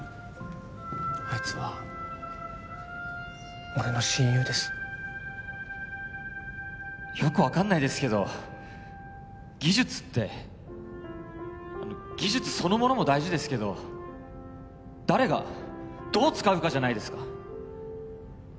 あいつは俺の親友ですよく分かんないですけど技術ってあの技術そのものも大事ですけど誰がどう使うかじゃないですか？